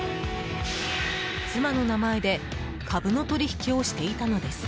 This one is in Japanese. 妻の名前で株の取引をしていたのです。